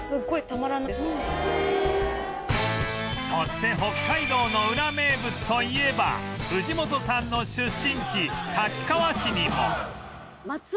そして北海道のウラ名物といえば藤本さんの出身地滝川市にも